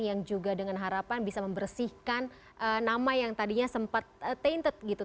yang juga dengan harapan bisa membersihkan nama yang tadinya sempat tanted gitu